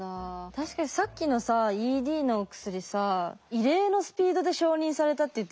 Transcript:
確かにさっきのさＥＤの薬さ異例のスピードで承認されたって言ってたじゃん。